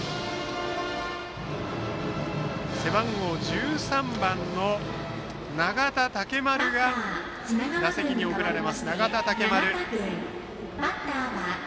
背番号１３番の永田剛丸が打席に送られます。